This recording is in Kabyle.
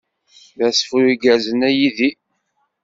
D asefru igerrzen a Yidir.